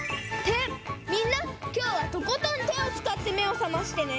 みんなきょうはとことん手をつかってめをさましてね！